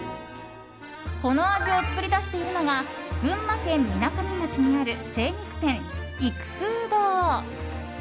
この味を作り出しているのが群馬県みなかみ町にある精肉店育風堂。